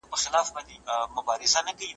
یوې سندرې یې پخواني احساسات راژوندي کړل.